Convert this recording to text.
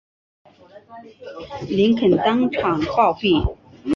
林肯当场暴毙。